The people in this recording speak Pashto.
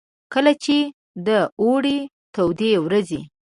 کله چې د اوړې تودې ورځې.